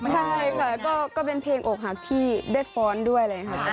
ใช่ค่ะก็เป็นเพลงอกหักที่ได้ฟ้อนด้วยเลยค่ะ